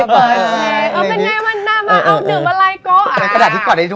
เป็นไงมันนั่นมาเอาดื่มอะไรก็